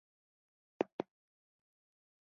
د بورمستر او مکلوډ طریقې هم شتون لري